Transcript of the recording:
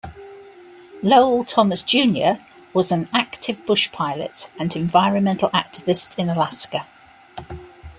Lowell Thomas Junior was an active bush pilot and environmental activist in Alaska.